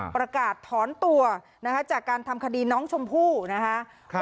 ประกาศถอนตัวนะคะจากการทำคดีน้องชมพู่นะคะ